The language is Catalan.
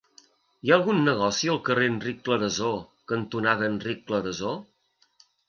Hi ha algun negoci al carrer Enric Clarasó cantonada Enric Clarasó?